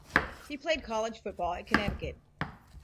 He played college football at Connecticut.